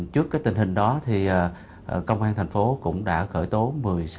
trước tình hình đó công an thành phố cũng đã khởi chế